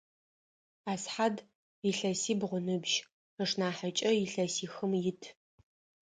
Асхьад илъэсибгъу ыныбжь, ышнахьыкӏэ илъэсихым ит.